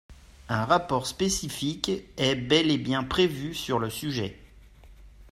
Un rapport spécifique est bel et bien prévu sur le sujet.